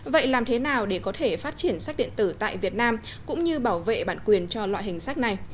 vậy làm thế nào để có thể phát triển sách điện tử tại việt nam cũng như bảo vệ bản quyền cho loại hình sách này